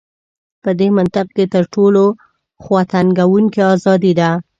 په دې منطق کې تر ټولو خواتنګوونکې ازادي ده.